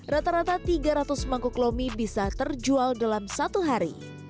rata rata tiga ratus mangkuk lomi bisa terjual dalam satu hari